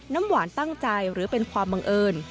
น้ำหวานตั้งใจหรือเป็นความบังเอิญ